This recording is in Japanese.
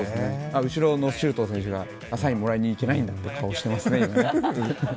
後ろの周東選手がサインもらいに行けないんだという顔をしていましたね。